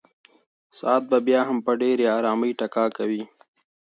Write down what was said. ساعت به بیا هم په ډېرې ارامۍ ټکا کوي.